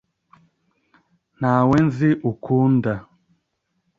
Ntawe nzi ukunda .